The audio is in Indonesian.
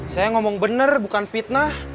saya ngomong benar bukan fitnah